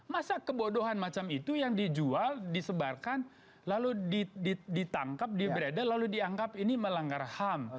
masa kebodohan macam itu yang dijual disebarkan lalu ditangkap dibereda lalu dianggap ini melanggar ham